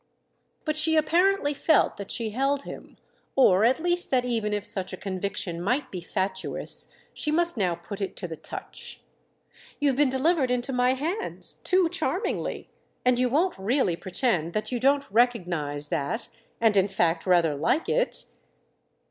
But she apparently felt that she held him, or at least that even if such a conviction might be fatuous she must now put it to the touch. "You've been delivered into my hands—too charmingly; and you won't really pretend that you don't recognise that and in fact rather like it."